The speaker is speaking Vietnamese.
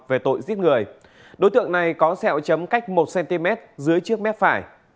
về tội giết người đối tượng này có sẹo chấm cách một cm dưới trước mép phải